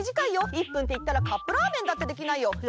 １分っていったらカップラーメンだってできないよ！